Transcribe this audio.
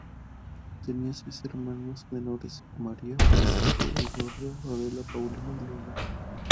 Tenía seis hermanos menores: María, Francisco, Eduardo, Adela, Paulina y Leonor.